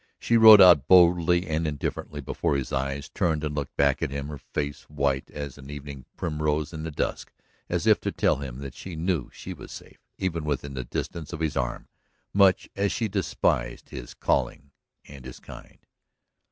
She rode out boldly and indifferently before his eyes, turned and looked back at him, her face white as an evening primrose in the dusk, as if to tell him that she knew she was safe, even within the distance of his arm, much as she despised his calling and his kind.